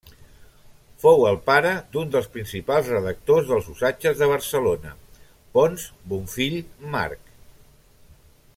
Fou el pare d'un dels principals redactors dels Usatges de Barcelona, Ponç Bonfill Marc.